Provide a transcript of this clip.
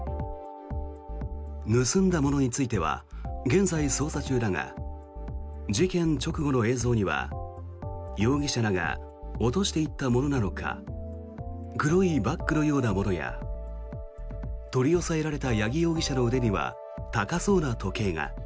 盗んだものについては現在、捜査中だが事件直後の映像には容疑者らが落としていったものなのか黒いバッグのようなものや取り押さえられた八木容疑者の腕には高そうな時計が。